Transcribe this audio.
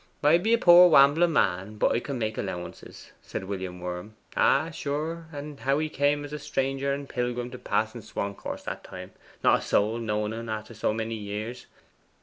'I be a poor wambling man, but I can make allowances,' said William Worm. 'Ah, sure, and how he came as a stranger and pilgrim to Parson Swancourt's that time, not a soul knowing en after so many years!